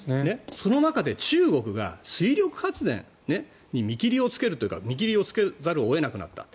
その中で中国が水力発電に見切りをつけるというか見切りをつけざるを得なくなった。